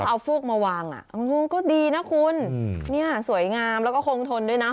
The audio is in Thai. เอาฟูกมาวางก็ดีนะคุณเนี่ยสวยงามแล้วก็คงทนด้วยนะ